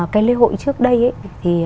cái lễ hội trước đây thì